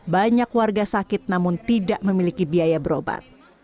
banyak warga sakit namun tidak memiliki biaya berobat